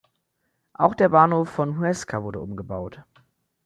Auch der Bahnhof von Huesca wurde umgebaut.